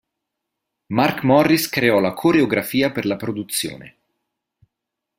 Mark Morris creò la coreografia per la produzione.